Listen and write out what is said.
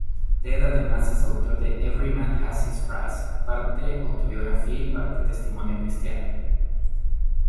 Ted además es autor de "Every Man Has His Price", parte-autobiografía y parte-testimonio Cristiano.